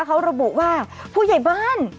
เขาระบุว่าผู้ใหญ่บ้าน